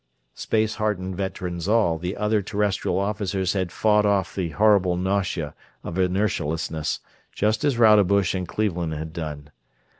Space hardened veterans all, the other Terrestrial officers had fought off the horrible nausea of inertialessness, just as Rodebush and Cleveland had done.